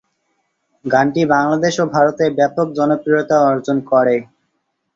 গানটি বাংলাদেশ ও ভারতে ব্যাপক জনপ্রিয়তা অর্জন করে।